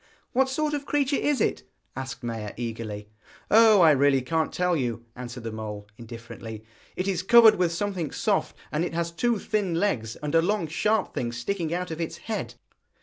'What sort of creature is it?' asked Maia eagerly. 'Oh, I really can't tell you,' answered the mole, indifferently; 'it is covered with something soft, and it has two thin legs, and a long sharp thing sticking out of its head.'